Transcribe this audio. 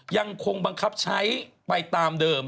ยังคงบังคับใช้ไปตามเดิม